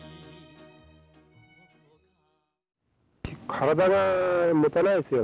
体がもたないですよ。